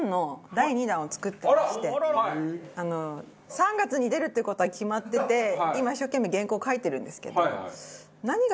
３月に出るっていう事は決まってて今一生懸命原稿を書いてるんですけど。